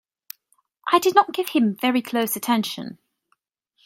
I did not give him very close attention.